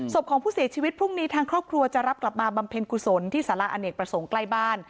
ศพของผู้เสียชีวิตพรุ่งนี้ทางครอบครัวจะรับกลับมาบำเพ็ญกุศลที่สาระอเนกประสงค์ใกล้บ้าน